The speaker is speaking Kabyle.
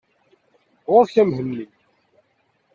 Ɣur-k a Mhenni!